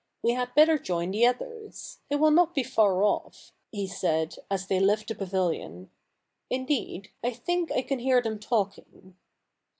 We had better join the others. They will not be far off,' he said, as they left the pavilion; 'indeed, I think I can hear them talking.'